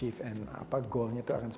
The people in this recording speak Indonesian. mereka memiliki inti untuk berlatih